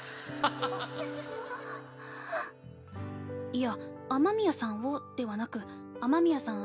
いや雨宮さんをではなく雨宮さん